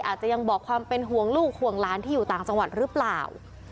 อาจจะยังบอกความเป็นห่วงลูกห่วงหลานที่อยู่ต่างจังหวัดหรือเปล่า